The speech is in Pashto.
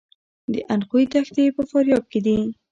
د اندخوی دښتې په فاریاب کې دي